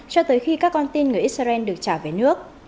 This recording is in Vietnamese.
cho tới khi các con tin người israel được trả về nước